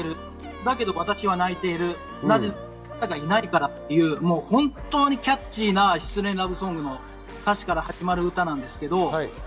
だけど私は泣いている、なぜならばあなたがいないからというキャッチーな失恋ラブソングの歌詞から始まる歌です。